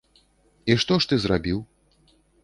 І што ж ты зрабіў?